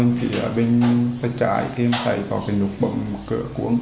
dạ em nhìn vào bên phía bên bên trái thì em thấy có cái nút bấm cửa cuốn